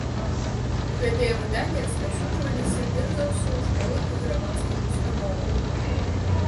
Гэтыя выданні распаўсюджваліся перш за ўсё ў школах і грамадскіх установах.